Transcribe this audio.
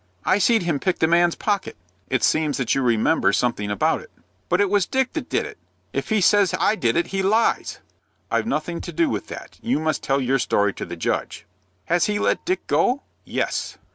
I seed him pick the man's pocket." "It seems that you remember something about it." "But it was Dick that did it. If he says I did it, he lies." "I've nothing to do with that. You must tell your story to the judge." "Has he let Dick go?" "Yes."